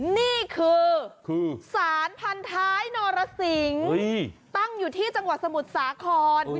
นี่คือสารพันท้ายนรสิงตั้งอยู่ที่จังหวัดสมุทรสาคร